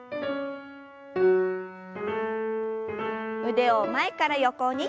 腕を前から横に。